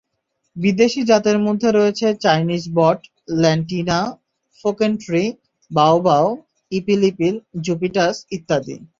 বিদেশি জাতের মধ্যে রয়েছে চাইনিজ বট, ল্যান্টিনা, ফোকেনট্রি, বাওবাব, ইপিল-ইপিল, জুপিটাস ইত্যাদি।